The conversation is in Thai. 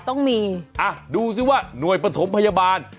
ต้องมีอ่ะดูสิว่าหน่วยปฐมพยาบาล